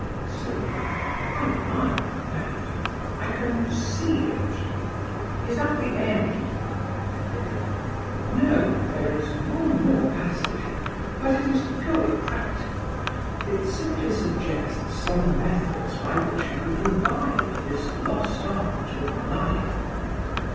CYRIL. I like that. I can see it. Is that the end? VIVIAN. No. There is one more passage, but it is purely practical. It simply suggests some methods by which we could revive this lost art of Lying.